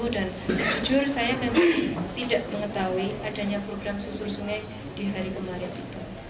dan jujur saya memang tidak mengetahui adanya program susur sungai di hari kemarin itu